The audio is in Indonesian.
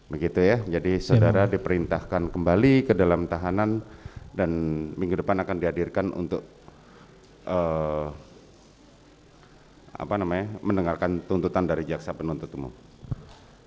begitu ya jadi saudara diperintahkan kembali ke dalam tahanan dan minggu depan akan dihadirkan untuk mendengarkan tuntutan dari jaksa penuntut umum